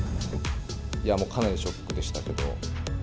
いやもう、かなりショックでしたけど。